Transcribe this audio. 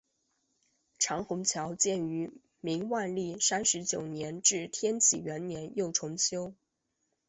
长虹桥建于明万历三十九年至天启元年又重修。